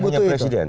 bukan hanya presiden